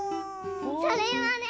それはね。